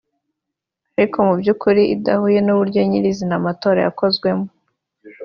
ariko mu by’ukuri idahuye n’uburyo nyirizina amatora yakozwemo